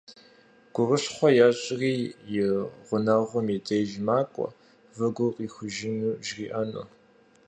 Гурыщхъуэ ещӀри и гъунэгъум и деж макӀуэ, выгур къихужыну жриӏэну.